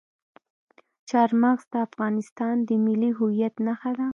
چار مغز د افغانستان د ملي هویت نښه ده.